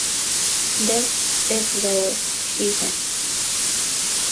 This is where she wins.